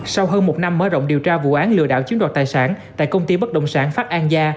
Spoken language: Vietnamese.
sau hơn một năm mở rộng điều tra vụ án lừa đảo chiếm đoạt tài sản tại công ty bất động sản phát an gia